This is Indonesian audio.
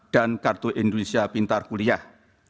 dan kartu indonesia pintar kuliah